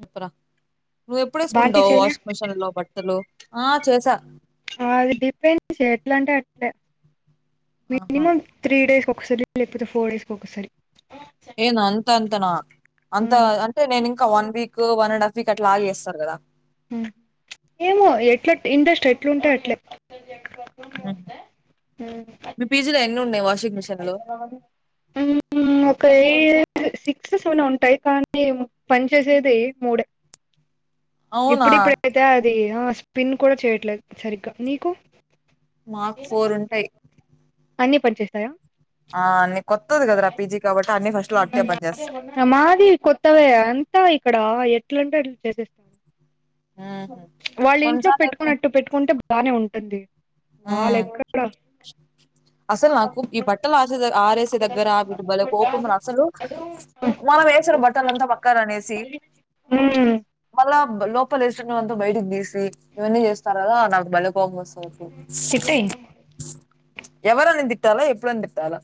చెప్పు రా నువ్వు ఎప్పుడు భారతి వేసుకుంటావు చేయలే వాషింగ్ మిషిన్ లో బట్టలు ఆ చేసా ఆ అది డిపెండ్స్ ఎట్లా అంటే అట్లే ఆహా! మినిమమ్ త్రీ డేస్ ఓ ఒకసారి లేకపోతే ఫోర్ డేస్కి ఒక్కసారి ఏంది అంత అంతనా అంత ఉమ్ అంటే నేను ఇంకా one week one and half మీకట్లాగే ఏస్తారు కదా ఉ ఏమో ఎట్ల ఇంట్రెస్ట్ ఎట్లుంటె అట్లే ఉ మీ పీ జి లో ఎన్ని ఉన్నాయి వాషింగ్ మిషిన్లు ఖైదు సిక్స్ సెవెనో ఉంటాయి కానీ పని చేసేది మూడే అవునా! ఇప్పుడిప్పుడు అయితే అది ఆ స్పిన్ కూడా చేయట్లేదు సరిగ్గా నీకు మాకు ఫోర్ ఉంటాయి అన్ని పని చేస్తాయా నీ కొత్తది గదరా పీజీ కాబట్టి అన్నీ ఫస్ట్‌లో అట్టే పనిచేస్తయి. మాది కొత్తవే అంత ఇక్కడ ఎట్లుంటే అట్లా చేసేస్ హుహు. వాళ్ళు కొన్ని ఇంట్లో సార్లయితే పెట్టుకున్నట్టు పెట్టుకుంటే బానే ఉంటుంది హ్మ్. వాళ్ళేక్కడ అసలు నాకు ఈ బట్టలు ఆరే ఆరేసే దగ్గర వీటి బలే కోపం రా అసలు మనం ఏసినా బట్టల అంతా పక్కన అనేసి మ్మ్ మల్ లోపల్ ఎసినవంత బయటికి తీస్ ఇవన్నీ చేస్తారు కదా నాకు బలే కోపం వోస్ తిట్టేయ్ ఎవరని తిట్టాలా ఎప్పుడనీ తిట్టాలా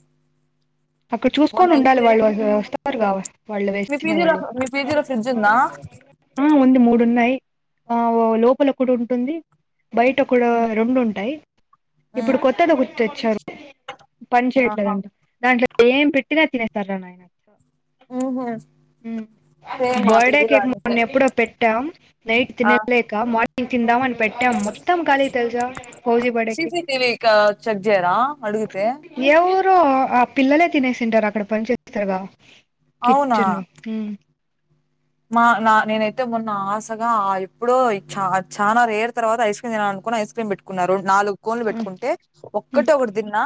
అక్కడ మొన్న చూసుకోని ఉండాలి అయితే వాళ్ళు వాల్ వస్త [unintelligible] వాళ్ళు మీ పీజీలో వేసుకునేవాళ్ళు మీ పీజీలో ఫ్రిడ్జ్ ఉందా ఆ ఉంది మూడు ఉన్నాయి ఆ ఓ లోపల ఒకటి ఉంటుంది బయట కూడా రెండు ఉంటాయి ఉమ్, ఇప్పుడు కొత్తది ఒకటి తెచ్చారు పని ఆహా చేయట్లేదంటా దాంట్లో ఏం పెట్టినా తినేస్తారు రా నాయన ఓహో ఉమ్ బర్డే కేక్ మొన్న అంతే ఎప్పుడో పెట్ ట్టాం నైట్ ఆ తినలేక మర్ నేను తిందాం అను పెట్ట మొత్తం కాలి తెలుసా ఫౌజీ బడకి సీసీటీవీ చెక్ చేయరా అడిగితే ఎవరు ఆ పిల్లలే తినేసింటారు. అక్కడ పని చేస్తారుగా అవును చెన్వా ఉ మా నా నేనైతే మొన్న ఆశగా ఎప్పుడో చ చాలా రేరు తర్వాత ఐస్ క్రీమ్ తినాల అనుకుని ఐస్ క్రీమ్ పెట్టుకున్నారు నాలుగు కోన్లు పెట్టుకుంటే ఒక్కట ఒకటి తిన్నా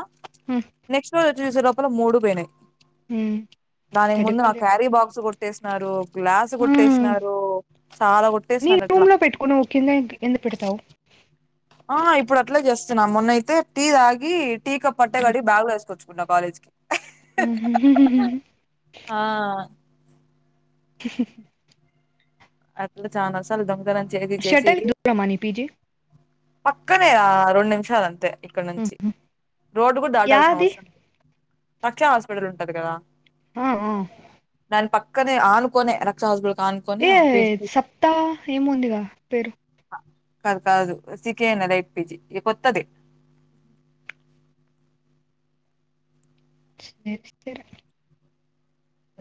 నెక్స్ట్ రోజు తినేసే లోపల మూడు పోయినాయి. ననిగ ముందు నా సరిపోయింది క్యారిబాక్స్ కొ ట్టేస్తున్నారు గ్లాసు కొట్టేసినారు, చాలా నీ కొట్టేసినారు రూమ్ అట్లా లో పెట్టుకో నువ్వు కింద ఎందుకు పెడతావు ఆ ఇప్పుడు అట్లే చేస్తున్నా మొన్నయితే టీ తాగి టీక పట్ట గడి బ్యాగులో వసుకోచ్చు ఉన్న కాలేజ్ కి హు హు హమ్ ఆ [unintelligible] అట్లా చాన సార్లు దొం షటల్ దూ రమణ పీజి పక్కనే రా రెండు నిమిసాలు అంతే ఇక్కడ నుంచి రోడ్డు కూడా దాటాల్సిన యాది అవసరం. రక్ష హాస్పిటల్ ఉంటది కదా ఆ ఆ పక్కనే ఆనుకోనే రక్ష హౌస్ అనుకునే అ ఏ సప్తా ఏము ఉందిగా పేరు కాదు కాదు సకి అనదా ఇట్ పిజి ఇ గత్తద సే సర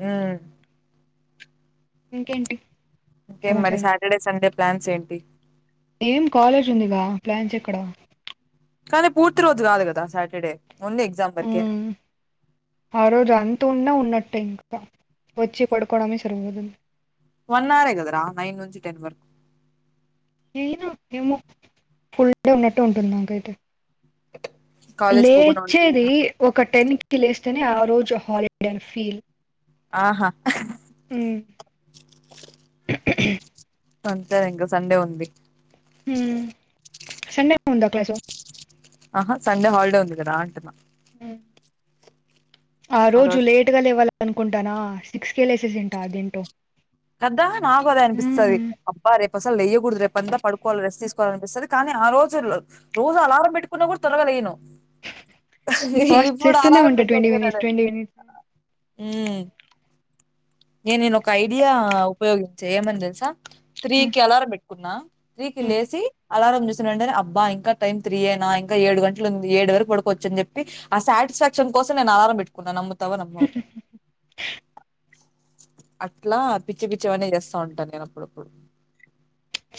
ఆ ఇంకేంటి కే మరి సమాచారం సాటర్డే, సండే ప్లాన్స్ ఏంటి ఏం కాలేజ్ ఉందిగా ప్లాన్స్ ఇక్కడ కానీ పూర్తి రోజు కాదు కదా సాటర్డే ఓన్లీ ఎగ్జామ్ ఉ వరకే ఆ రోజు అంత ఉన్నా ఉన్నట్టు టె ఇంకా వచ్చి కొడుకోవడమే సరిపోతుంది. వన్ అవర్ కదరా నైన్ నుంచి టెన్ వరకు ఏయినా ఏమో ఫుల్ డే ఉన్నట్టు ఉంటుందింకైతే కాలేజ్ పోకుండా ఉంటే లేచేది ఒక టెన్ కి లేస్ ఆ రోజు హాలడండ్ ఫీల్ ఆహా హ్మ్మ్ సంతర ఇంకా సండే ఉంది హ్మ్ సండే ఉందా క్లాసు ఆహా సండే హాల్డే ఉంది కదా అంటునా ఆ రోజు లేటుగా లేవాల అనుకుంటానా సిక్స్ కే లేసెస్ ఏంటా అదేంటో కద్ద నాకు అదే అనిపిస్తుంది అబ్బ రేపు అసలు లెయ్యకూడదు రేపు అంత పడుకోవాలి రెస్ట్ తీసుకోవాలి అనిపిస్తుంది కానీ ఆ రోజు రోజు అలారం పెట్టుకున్న కూడా తోరగా లేయను ఫాస్ట్ ఇప్పుడు చేస్తూనే ఆధారం ఉంటా ట్వంటీ పెట్టుపోనడ మినిట్స్ ట్వంటీ మినిట్స్ నేను నేను కై ఇడియా త్రీకి అలారం పెట్టుకున్నా త్రీకిి లేసి అలారం చూసినంటే అబ్బా టైమ్ త్రీ ఎనా ఇంకా ఏడు గంటలలు ఏడు వరకు పడకోవచ్చ అని చెప్పి ఆ సాటిస్ఫాక్షన్ కోసం నేను అలారం పెట్టున్నాను తవనమ్మ అట్లా పిచ్చి పిచ్చి అన్న చేస్తా ఉంటాను నేను అప్పుడప్పుడు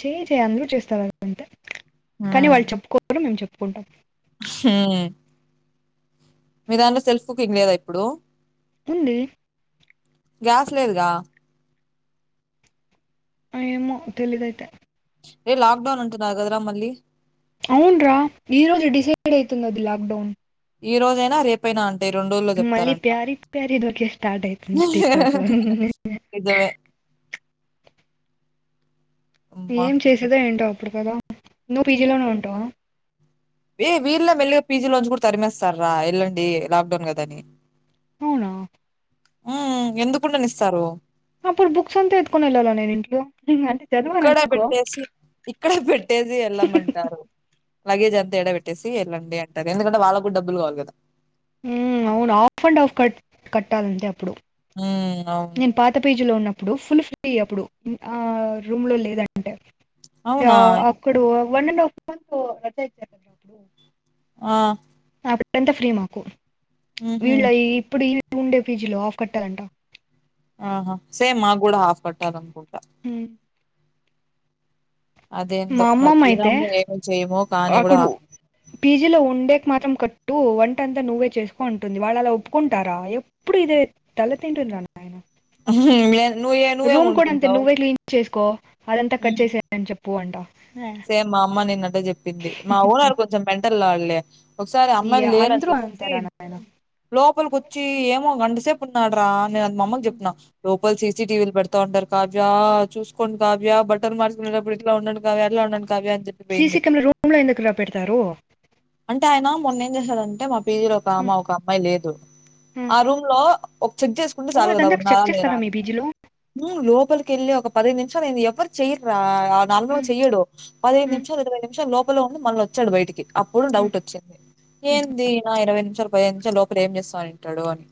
చేయ్ చేయ్ అందరు చేస్తారు అంటే కానీ హ్మ్. వాళ్ళు చెప్పుకోరు మేము చెప్పు కుంటా హ్మ్ మీ దాన్న సెల్ఫ్ కుుకింగ్ లేదా ఇప్పుడు ఉందిడి గ్యాస్లేదుగా ఏమో తెలీదుైతే రే లాక్డౌన్ అంటున్నా అ గద్రా మళ్ళీ అవునరా ఈ రోజు డిసైడ్ అవుతుంది అది లాక్ డౌన్ ఈ రోజైనా రేపైనా అంట మళ్ళీ ప్యార ప్యార దకే స్టార్ట్ అయితు టిక్ఠాక్ నిజమే అమ్మా ఏం చేసేదో ఏంటో ఇప్పుడు కదా నువ్ పీజీలోనే ఉంటావా ఏయ వీళ్ళ మెల్గా పజీ లోంంచు ఇప్పుడు తరిమేస్తారా వెళ్ళండి లాక్డౌన్ కదని అవునా ఉ ఎందుకుంట నిస్తారు అప్పుడు బుక్స్ అంతా ఎతుకొని వెళ్ళలో నేను ఇంట్లో అంటే చదవాను ఇక్కడ అనుకో పెట్టేసి ఇక్కడ పెట్టేసి వెళ్ళమంటారు లగేజ్ అంత ఎడ పెట్టేసి వెళ్ళండి అంటారు ఎందుకుంటే వాళ్ళకు కూడా డబ్బులు కావాలి కదా అమ్ అవును ఆఫ్ అండ్ ఆఫ్ క కట్టాలంటే అప్పుడు ఆమ్ నేను పాత పేజ్ లో ఉన్నాప్పు ఇప్పుడు ఫుల్ ఫ్రీ అప్పుడు ఆ రూమ్ లో లేదండి అంటే అవునా అక్కడు వన్ అండ్ హాఫ్ మంత్ రచ ఇచ్చారు అప్పుడు ఆ అప్పుడంతా ఫ్రీ మాకు ఊహూ వీళ్ళ ఇప్పుడు టూ ఉండే పీజీలో ఆఫ్ కట్టాలంట ఆహా సేమ్ మా కూడా హాఫ్ కట్టారు అనుకుంటా హమ్ మా అదేందో మరి అమ్మమ్మ అయితే తినము ఏమి చేయము కానీ కూడా అక్కడు హాఫ్ పీజీలో ఉండేక మాత్రం కట్ వంటంతా నువ్వే చేసుకో అటుంది వాళ్ళు అలా ఒప్పుకుంటారా ఎప్పుడు ఇదే తల తింటుందిన్న ఆయన అహా ఏం లేదు రూమ్ కూడా అంతే నువ్వే క్లీీన్ చేసుకో అదంతా కట్ హ్మ్. చేసేయని చెప్ప పో అంట సేమ్ అమ్మ నేను చెప్పింది మా ఓనర్ కొంచెం మెంటల్ లాలే ఒకసారి ఈ అమ్మాయిలు లేరని అందరూ చెప్పేసి అంతారా నాయన లోపలికి వచ్చి ఏమో గండి ఎంత సేపు ఉన్నాడు రా మా అమ్మకు చెప్పిన లోపలి సీసిటీవీ పడతన్నా ఉండరు కావ్య చూసుకోండి కావ్య బట్టలు మార్చకునేటప్పుడు ఇట్లా ఉడండి కావ్య ఇలా ఉండడి సీసీ కెమెరా రూంలో ఎందుకు రా పెడతారు అంటే ఆయన మొన్న ఎం చేసాం అంటే పీజర్ ఒక అమ్మా ఒక అమ్మాయి లేదు ఆ రూమ్ లో ఒక చెక్ చేసుకుంటే ఓ చాలు కదా అదంతా ఉన్నారా చెక్ లేరా చేస్తారా మీ అని పీజీలో లో లోపలికి వెళ్ళి ఒక పదిహదు నిమిషాలు న ఎవరు చెయ్యారు ఆ నా రూంలో చెయ్యడు పదహదు నిమిష ఇరవై నిమిష లో లో ఉండి మళ్ళొచ్చాడు బయటికి అప్పుడు డౌట్ వచ్చింది ఏంది నా ఇరవై నిమిషాలు పదిహేన్ నిమిషాల్ లోపల ఏం చేస్తాంటాడు అని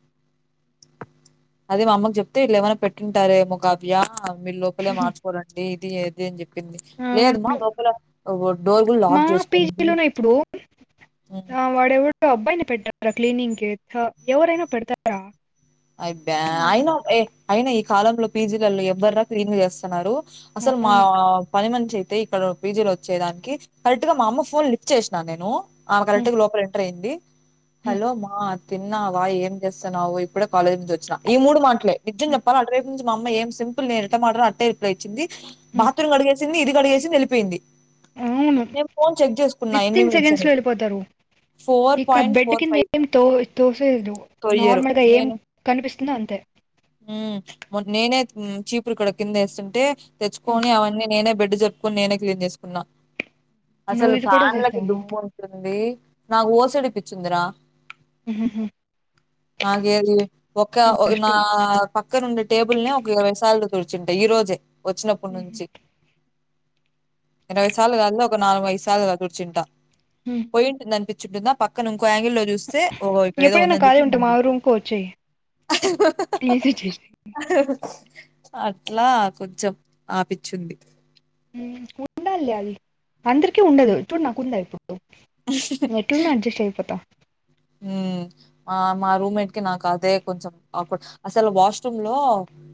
అదే మా అమ్మకు చెప్తే ఇళ్ళ ఏమైనా పెట్టింటారే మో కావ్య మీ లోపలే మార్చుకోలండి దే ఇది ఏది అని చెప్పింది లేదుమా లోక డోర్ లా ఆ పీజిలోనే ఇప్పుడు వాడెవడో అబ్బాయిని పెట్ట ఆ క్లీనింగ్ కి ఎవరైనా పెడతారా అయిబ్యా ఆ, అయిన ఏ అయిన కాలంలో పీజీలల్లో ఎవ్వర్రా క్లీన్ లు చేస్తున్నారు అసలు మా అవును పని మన్ అయితే ఇక్కడ పీజీలో ఒచ్చేదానికి కరెక్ట్ గా మా అమ్మ ఫోన్ లిఫ్ చేశినా నేను ఆ ఉమ్, కరెక్ట్ లోపల ఎంటర్ అయింది ఉమ్, హలో మా తిన్నావా ఏం చేస్తన్నావు ఇప్పుడె కాలజ్ చి వచ్చినా ఈ మూడు మాటలే నిజం చెప్పాల అటు రేపు నుంచి మా అమ్మ ఏం సింపుల్ నేను ఎటమాటడం అట్టే రిప్లై ఇచ్చింది ఉమ్, బాత్రూమ్ గడిగేసింది ఇది కడిగేసింది ఎళ్ళిపోయింది అవును నేను ఫోన్ చెక్ చేసుకున్నా ఎన్ని విత్న్ మినిట్స్ సెకండ్స్ అని లో వెళ్ళిపోతారు ఇక్కడ బెడ్ కింద ఏం తో తోసేదు తొయ్యరు నార్మల్గా ఏం కనిపిస్తుందో అంతే ఉమ్ నేనే చీపురు కూడా కిందేసుంటే ఉమ్, తెచ్చుకొని అవన్నీ నేనే బె అడ్డు జర్పుకొని నేనే క్లీన్ చేసుకున్నా నువ్వు అసలు ఇది కూడా ఫ్యాన్లకి చేస్తావా దుమ్ము ఉంటుంది నాకు ఓసిడి పిచ్చుందిరా మ్హ్ మ్హ్ హ్ నాగేది ఒక నా పక్కనుండి టేబుల్స్ ఒక ఇరవై సాలు చూర్చుంటా ఈ రోజే ఒచ్చినప్పుడు నుంచి ఇరవై సార్లు కాదు ఒక నాలుగైదు సార్లుగా తూడ్చుంటా పోయింట్ ననిపి చటుందా పక్క నుం ఆ ఆంగిల్ లో చూస్తే ఓ ఇక్కడేదో ఉందని చెప్పి మన కోచే ప్లీజ్ ఇచ్చేసి అట్లా కొంచెం ఆపిచ్చుది ఉండల్ల లే అది అందరికి ఉండదు చూడు నాకుందా ఇప్పు ఎట్లున్న అడ్జస్ట్ అయిపోత ఉమ్ మా రూమ్మేట్ కి నాకు అదే కొంచెం కాకు అప్పుడు అసలు వాష్రూమ్ లో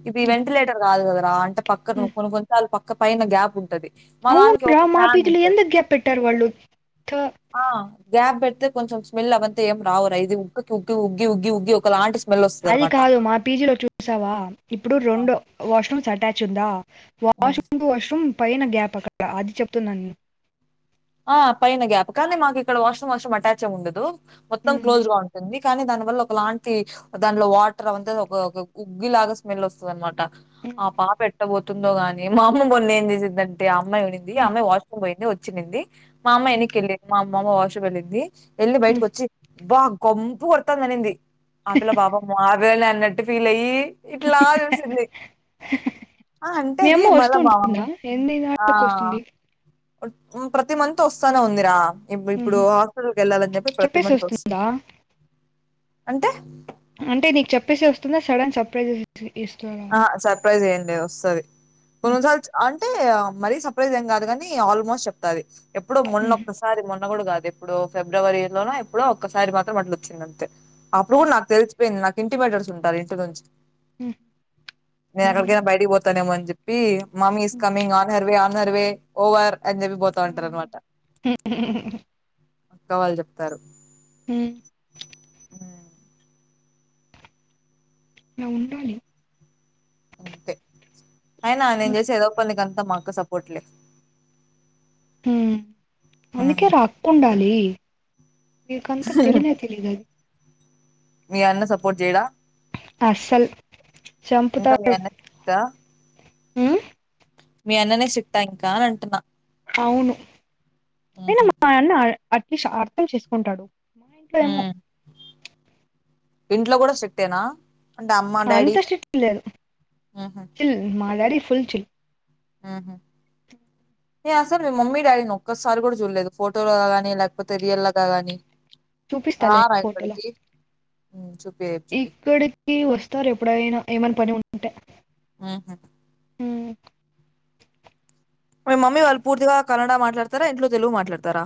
ఇది వెంటిలేటర్ కాదు కద అలా అంట పక్కను కొ కొన్నీ సార్లు ఒక పైన గ్యాప్ ఉంటది మా అవును దానికి రా ఒక మా ఫ్యాన్ పీతిలు ఉంటది. ఎంతకు గ్యాప్ పెట్టారు వాళ్ళు త ఆ గ్యాప్ పెడితే కొంచెం స్మెల్ అవ్వంతే ఏం రావురా ఇది ఉకి ఉక్కి ఉగ్గి ఉగ్గి ఉగ్గి ఒక లాంటి అది కాదు మా పీజీలో చూసావా ఇప్పుడు ఆ! రెండు వాష్రూమ్ అట్యాచ్ ఉందా ఆ! వాష్ చేయరా వాష్రూమ్ పైన గ్యాప్ అక్కడ అది చెప్తున్నా నేను ఆ పైన గ్యాప్ కానీ మాకు ఇక్కడ వాష్రూమ్ వాష్రూమ్ అటాచ్ ఏం ఉండదు మొత్తం ఉమ్, క్లోజ్ గా ఉంటుంది కానీ దాని వల్ ఒకలాంటి దానిలో వాటర్ అవి ఒక కుగ్గి లాగా స్మెల్ వస్తుంది అనమాట ఉమ్, ఆ పాప ఎట్టపోతు ందో గానీ మా అమ్మ మొన్న ఏం చేసిందంటే అమ్మ అమ్మాయి ఉన్నింది ఉమ్, అమ్మాయి వాష్రూమ్ పోయింది వచ్చిన్నింది మా అమ్మ ఉమ్. వెనికెళ్ళింది మా అమ్మ వాష్రూమ్ వెళ్ళింది వెళ్ళి బయటకి ఉమ్. వచ్చి బా కంపు కొడతాంది అనింది ఆ పిల్ల పాపం మా ఇవ అన్నట్టు ఫీల్ అయ్యి ఇట్లా చూసింది ఆ అంటే మీ అది అమ్మ మళ్ళ వస్తూ మా అమ్మ ఉంటుందా ఎన్ని ఆ నాళ్ళకి వస్తుంది ప్రతి మంత్ వస్తనే ఉందిరా ఇప్పుడు ఉహు. హాస్పిటల్కి వెళ్ళాలని చెప్పి ప్రతి చెప్పేసి మంత్ వస్తుంది వస్తుందా అంటే అంటే నీకు చెప్పేసి వస్తుందా సడన్ సర్ప్రైజ్ ఇస్తారా ఆ సర్ప్రైజ్ ఏం లేదు వస్తది. ఉమ్, కొన్నిసార్లు అహ్ అంటే మరీ సర్ప్రైజ్ంగ్ కాదు గాని ఆల్మోస్ట్ చెప్తది. ఎప్పుడో ఉమ్, మొన్నొక్కసారి మొన్ న్న కూడా కాదు. ఎప్పుడో ఫిబ్రవరి లోన ఎప్పుడో ఒక్కసారి మాత్రం అట్ల వచ్చింది అంతే. అప్పుడు కూడా నాకు తెసిపేన్ నాక్ ఇంటి పెట్టల్స్ ఉంటారు. ఇంటి నుంచి ఉహ్ నేను ఎక్కడికైనా బయటకి పోతాను ఏమోని చెప్పి మామి is coming on her way way over అన్ని జెప్పి బోత ఉంటర ఉమ్, అన్నమాట. అక్క వాళ్ళు చెప్తారు. ఉహ్ ఇలా ఉండాలి. అంతే అయినా నేను ఉమ్, చేసేదో పందికను అంత మాక్క సపోట్లే ఉహ్ అందుకే రా అక్క ఉండాలి. మీకంతా తెలినే తెలియలేదు మీ అన్న సపోర్ట్ చేయడా. అసల్ ఇంకా మీ అన్నక్ దా ఉహ్ మీ అన్ననే స్టిట్టా ఇంకా అంటున్నా అవును ఐన్న ఉహు, మాయాన్న అట్లీస్ట్ అర్థం చేసుకుంటాడు. మా ఇంట్లో ఏమో ఉమ్. ఇంట్లో కూడా స్టిక్టెనా అంత స్టిట్ లేదు సిల్ మాది డాడీ ఫుల్ చిల్ ఆహ ఎ అసలు మీ మమ్మీ డాడీని ఒక్కసారి కూడా చూడలేదు. ఫోటో గా గాని లేకపోతే రియల్ గా గాని. చూపిస్తాలే ఫోటోలో ఆమయకుడుకి ఉహ్ చు ఇక్కడికి వస్తారు ఎప్పుడైనా ఏమైనా పని ఉంటు అంటే ఆహా ఉ మీ మమ్మీ వాళ్ళు పూర్తిగా కన్నడ మాట్లాడతారా ఇంట్లో తెలుగు మాట్లాడతారా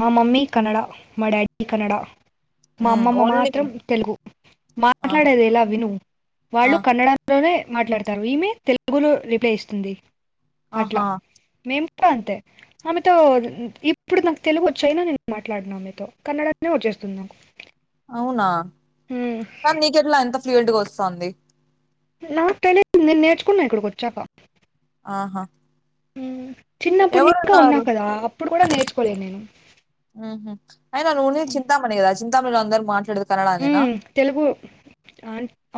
మా మమ్మీ కన్నడ మా డాడీ కన్నడ మా అమ్మమ్మ ఓన్లీ మాత్రం తెలుగు ఆహా మాట్లాడేది ఎలా విను ఆ, వాళ్ళు కన్నడ లోనే మాట్లాడతారు ఈమె తెలుగులో రిప్లై ఇస్తుంది అట్లా ఆహా మేము అంతే ఆమెతో ఇప్పుడు నా తెలుగు వచ్చాయినా నేను మాట్లాడినా మీతో కన్నడనే వచ్చేస్తుంది నాకు అవునా మ్మ్. తన్ని కేడలాంత ఫడ్కి వస్తుంది నాకలి నేను నేర్చుకున్నా ఇక్కడికి వచ్చాక ఆహా మ్మ్ చిన్నప్పుడు ఇంకా ఉన్నా ఎవరున్నారు కదా అప్పుడు కూడా నేర్చుకోలేను నేను త అంద మాట్లాడదు తెలుగు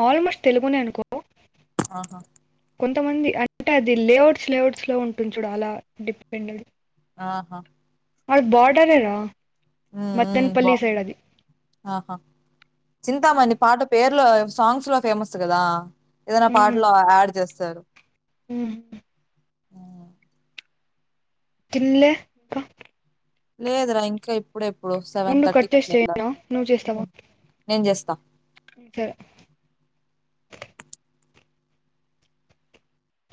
ఆల్మోస్ట్ తెలుగునే అనుకో ఆహా కొంతమంది అంటే అది లేఅవుట్స్ లేఅట్స్ లో ఉంటుంది చూడు అలా డిపెండ్ అ ఆహా వాళ్ళ బార్డర్నా బా ఆహా చింతామణ పాట పేర్లో సాంగ్స్ ఫేమస్ కదా ఏదైనా పాటలో యాడ్ చేస్ తారు ఉ తిన్లే ఇంకా లేదురా ఇంకా ఇప్ ఇప్పుడ ఎప్పుడు సెవెన్ ఉండు కట్ థర్టీకి చేసి అట్లా వెళ్ళాలి చేయనా నువ్వు చేస్తావా నేను చేస్తా సరే